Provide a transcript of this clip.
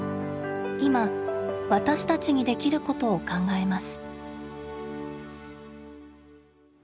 いま私たちにできることを考えます。